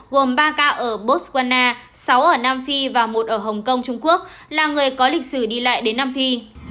gồm ba ca ở botswana sáu ở nam phi và một ở hồng kông trung quốc là người có lịch sử đi lại đến nam phi